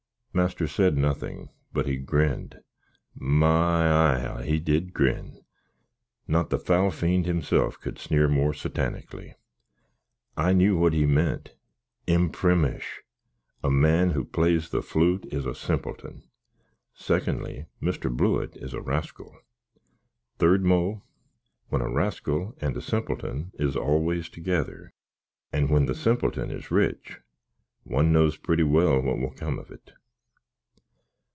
Master said nothink, but he grin'd my eye, how he did grin! Not the fowl find himself could snear more satannickly. I knew what he meant: Imprimish. A man who plays the floot is a simpleton. Secknly. Mr. Blewitt is a raskle. Thirdmo. When a raskle and a simpleton is always together, and when the simpleton is rich, one knows pretty well what will come of it.